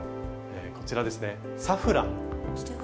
こちらですね「サフラン」。